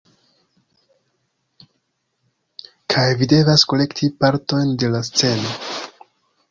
kaj vi devas kolekti partojn de la sceno